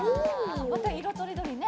また色とりどりね。